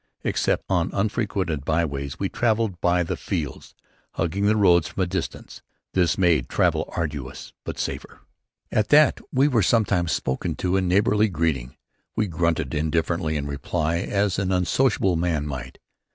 Except on unfrequented byways we travelled by the fields, hugging the road from a distance. This made travel arduous but safer. At that, we were sometimes spoken to in neighborly greeting. We grunted indifferently in reply, as an unsociable man might.